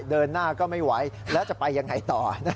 เดินหน้าก็ไม่ไหวแล้วจะไปยังไงต่อ